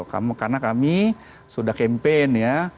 karena kami sudah campaign ya